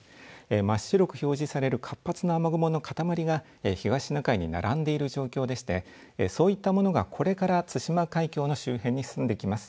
真っ白く表示される活発な雨雲の固まりが東シナ海に並んでいる状況でしてそういったものがこれから対馬海峡の周辺に進んできます。